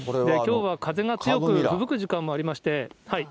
きょうは風が強くてふぶく時間もありまして。